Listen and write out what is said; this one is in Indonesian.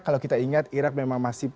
kalau kita ingat irak memang masih